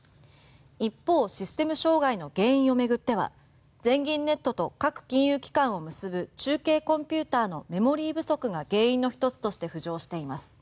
一方システム障害の原因を巡っては全銀ネットと各金融機関を結ぶ中継コンピューターのメモリ不足が原因の一つとして浮上しています。